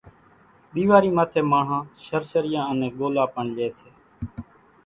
ۮيواري ماٿي ماڻۿان شرشريان انين ڳولا پڻ لئي سي،